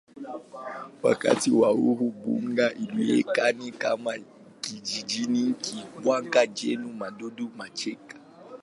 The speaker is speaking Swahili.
Wakati wa uhuru Bungoma ilionekana kama kijiji kikubwa chenye maduka machache.